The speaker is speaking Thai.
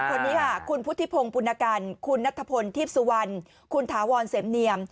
คนนี้ค่ะคุณพุทธิพงศ์ปุณกันคุณนัทพลทีพสุวรรณคุณถาวรเสมเนียม